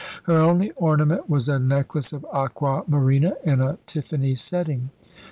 Her only ornament was a necklace of aqua marina in a Tiffany setting.